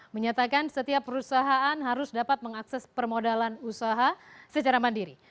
menyatakan setiap perusahaan harus dapat mengakses permodalan usaha secara mandiri